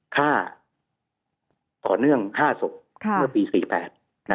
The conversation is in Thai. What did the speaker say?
ฆ่าต่อเนื่องฆ่าศพเมื่อปี๔๘นะครับ